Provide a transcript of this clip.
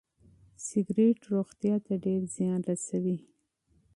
سګریټ روغتیا ته ډېر زیان رسوي.